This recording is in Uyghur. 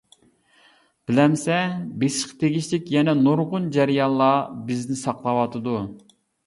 بىلەمسەن، بېسىشقا تېگىشلىك يەنە نۇرغۇن جەريانلار بىزنى ساقلاۋاتىدۇ!